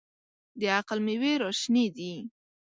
د عقل مېوې راشنېدې.